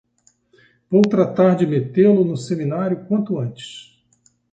vou tratar de metê-lo no seminário quanto antes.